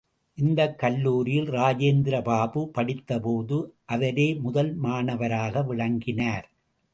இந்தக் கல்லூரியில் ராஜேந்திர பாபு படித்த போது, அவரே முதல் மாணவராக விளங்கினார்.